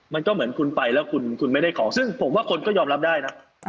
มันก็เหมือนคุณไปแล้วคุณไม่ได้ของซึ่งผมว่าคนก็ยอมรับได้นะ